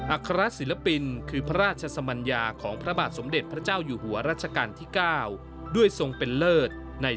อัครสิลปินคือพระราชสมัญญาของพระบาทสมเด็จพระเจ้าอยู่หัวราชกรรมที่๙